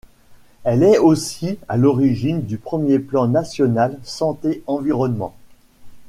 Elle est aussi à l'origine du premier Plan national Santé Environnement.